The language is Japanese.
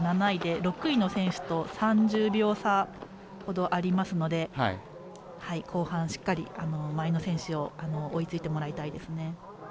７位で６位の選手と３０秒差ほどありますので後半しっかり前の選手に追いついてもらいたいですね。